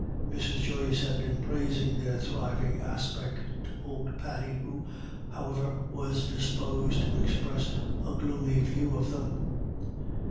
Mrs. Joyce had been praising their thriving aspect to old Paddy, who, however, was disposed to express a gloomy view of them.